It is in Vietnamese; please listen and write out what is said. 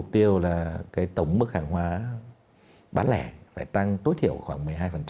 điều là cái tổng mức hàng hóa bán lẻ phải tăng tối thiểu khoảng một mươi hai